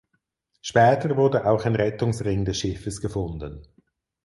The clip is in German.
Später wurde auch ein Rettungsring des Schiffes gefunden.